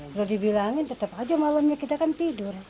kalau dibilangin tetap aja malamnya kita kan tidur